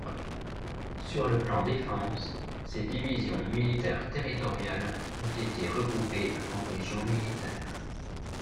Sur le plan défense, ces divisions militaires territoriales ont été regroupées en régions militaires.